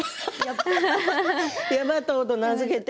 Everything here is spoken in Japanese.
ヤバ藤と名付けて。